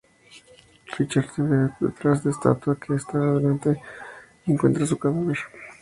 Richard se ve detrás de la estatua que estaba delante y encuentra su cadáver.